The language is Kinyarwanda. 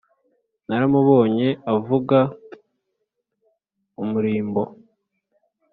naramubonye avuga umurimbo